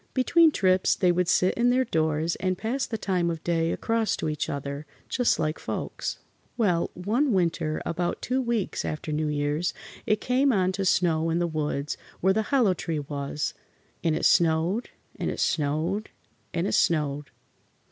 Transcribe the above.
Between trips they would sit in their doors and pass the time of day across to each other, just like folks. Well, one winter, about two weeks after New Year's, it came on to snow in the woods where the hollow tree was, and it snowed, and it snowed, and it snowed.